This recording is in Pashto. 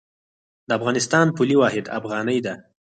د افغانستان پولي واحد افغانۍ ده